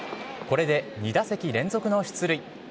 これで２打席連続の出塁。